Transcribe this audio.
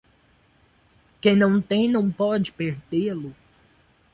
Quem não tem, não pode perdê-lo.